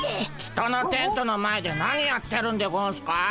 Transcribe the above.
人のテントの前で何やってるんでゴンスか？